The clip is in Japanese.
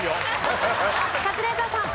カズレーザーさん。